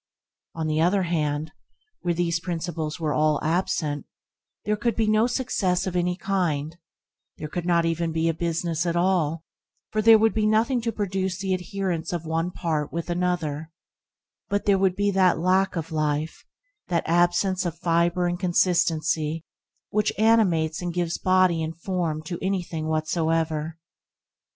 On the other hand, where these principles were all absent, there could be no success of any kind; there could not even be a business at all, for there would be nothing to produce the adherence of one part with another; but there would be that lack of life, that absence of fibre and consistency which animates and gives body and form to anything whatsoever.